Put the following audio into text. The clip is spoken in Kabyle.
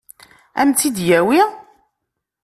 Ad m-tt-id-yawi?